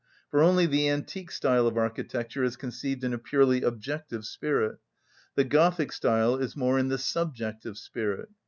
For only the antique style of architecture is conceived in a purely objective spirit; the Gothic style is more in the subjective spirit.